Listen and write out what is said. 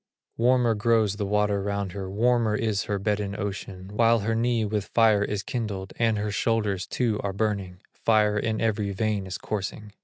Warmer grows the water round her, Warmer is her bed in ocean, While her knee with fire is kindled, And her shoulders too are burning, Fire in every vein is coursing.